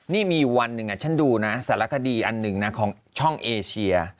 นี่มีวันหนึ่งฉันดูนะสารคดีอันหนึ่งนะของช่องเอเชีย